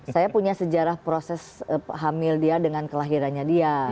saya punya sejarah proses hamil dia dengan kelahirannya dia